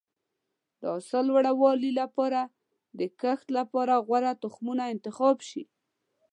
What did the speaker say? د حاصل د لوړوالي لپاره د کښت لپاره غوره تخمونه انتخاب شي.